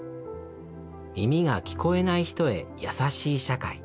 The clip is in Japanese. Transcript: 「耳が聴こえない人へ優しい社会。